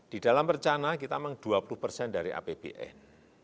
di dalam percana kita memang dua puluh persen dari apbn